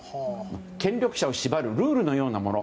権力者を縛るルールのようなもの。